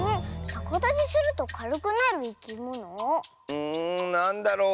うんなんだろう？